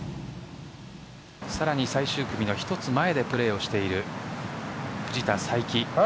さらに最終組の１つ前でプレーしている藤田さいき。